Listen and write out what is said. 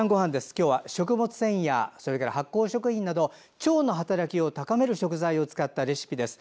今日は食物繊維や発酵食品など腸の働きを高める食材を使ったレシピです。